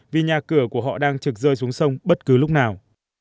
vì nhà cửa của họ đang trực rơi xuống sông bất cứ lúc nào